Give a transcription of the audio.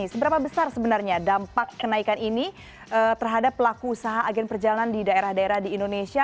seberapa besar sebenarnya dampak kenaikan ini terhadap pelaku usaha agen perjalanan di daerah daerah di indonesia